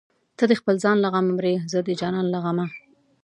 ته د خپل ځان له غمه مرې زه د جانان له غمه